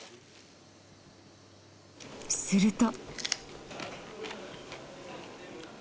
すると。